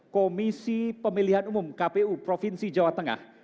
komisi pemilihan umum kpu provinsi jawa tengah